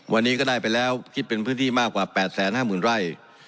วันนี้ก็ได้ไปแล้วคิดเป็นพื้นที่มากกว่า๘๕๐๐๐ไร่